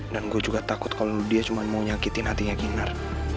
dan gue juga takut kalo dia cuman mau nyakitin hatinya kinar